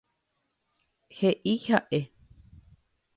He'i ha'e.